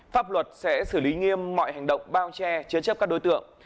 pháp luật sẽ xử lý nghiêm mọi hành động bao che chế chấp các đối tượng